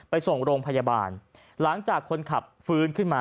ไปส่งโรงพยาบาลหลังจากคนขับฟื้นขึ้นมา